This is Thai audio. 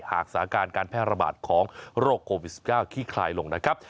สถานการณ์การแพร่ระบาดของโรคโควิด๑๙ขี้คลายลงนะครับ